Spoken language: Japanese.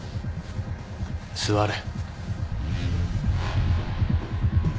座れ。